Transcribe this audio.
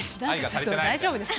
大丈夫ですか？